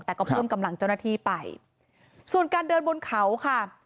แต่ก็เพิ่มกำลังเจ้าหน้าที่ไปส่วนการเดินบนเขาค่ะ